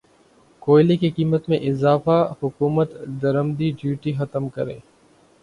کوئلے کی قیمت میں اضافہ حکومت درمدی ڈیوٹی ختم کرے